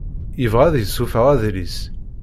Yebɣa ad d-isuffeɣ adlis.